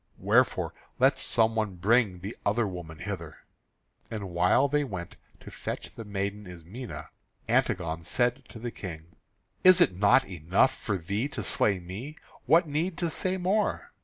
Wherefore let some one bring the other woman hither." And while they went to fetch the maiden Ismené, Antigone said to the King: "Is it not enough for thee to slay me? What need to say more?